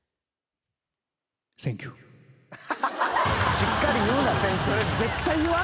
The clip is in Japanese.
しっかり言うな。